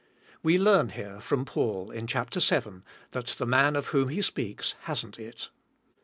We learn here, from Paul, in chapter seven, that the man of whom he speaks hasn't it.